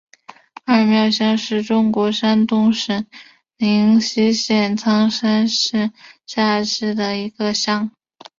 二庙乡是中国山东省临沂市苍山县下辖的一个乡。